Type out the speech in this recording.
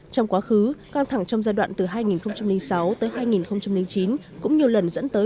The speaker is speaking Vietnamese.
trong quá khứ căng thẳng trong giai đoạn từ hai nghìn sáu tới hai nghìn chín cũng nhiều lần dẫn tới